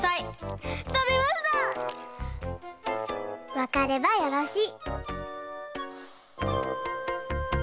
わかればよろしい。